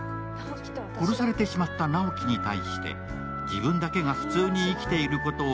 殺されてしまった直木に対して、自分だけが普通に生きていることを